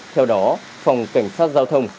theo đó phòng cảnh sát giao thông